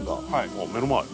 あっ目の前。